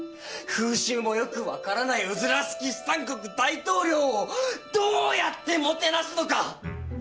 風習もよくわからないウズラスキスタン国大統領をどうやってもてなすのか！？